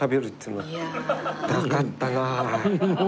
なかったなあ。